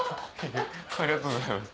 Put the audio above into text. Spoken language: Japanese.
ありがとうございます。